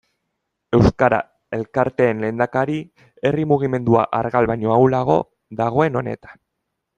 Euskara elkarteen lehendakari, herri mugimendua argal baino ahulago dagoen honetan.